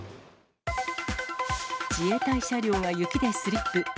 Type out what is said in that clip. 自衛隊車両が雪でスリップ。